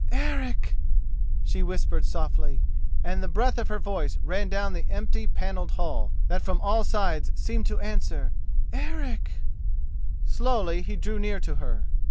"Eric!" she whispered softly, and the breath of her voice ran down the empty panelled hall, that from all sides seemed to answer, "Eric." Slowly he drew near to her.